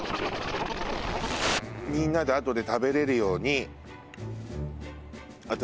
みんなであとで食べれるように私